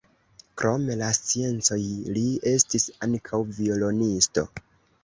Krom la sciencoj li estis ankaŭ violonisto.